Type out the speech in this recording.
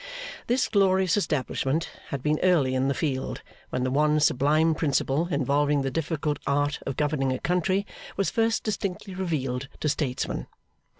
This glorious establishment had been early in the field, when the one sublime principle involving the difficult art of governing a country, was first distinctly revealed to statesmen.